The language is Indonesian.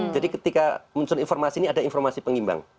jadi ketika muncul informasi ini ada informasi pengimbang